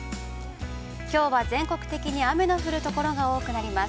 きょうは全国的に雨の降る所が多くなります。